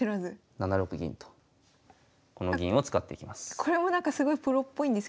７六銀とこの銀を使っていきます。